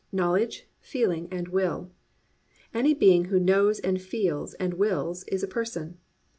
Knowledge, feeling and will. Any being who knows and feels and wills is a person.